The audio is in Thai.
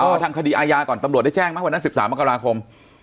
เอาทางคดีอาญาก่อนตำรวจได้แจ้งไหมวันนั้น๑๓มกราคม